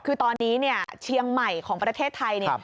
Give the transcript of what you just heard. คือตอนนี้เชียงใหม่ของประเทศไทย